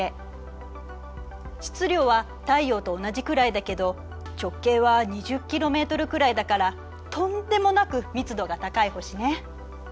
質量は太陽と同じくらいだけど直径は２０ｋｍくらいだからとんでもなく密度が高い星ね。